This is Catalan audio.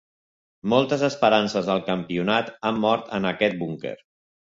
Moltes esperances del campionat han mort en aquest búnquer.